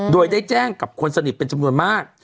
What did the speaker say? โดยได้แจ้งกับคนสนิทเป็นจำนวนมาก